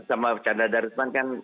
sama chandra darussman kan